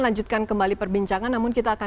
lanjutkan kembali perbincangan namun kita akan